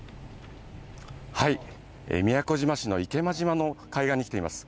宮古島市の池間島の海岸に来ています。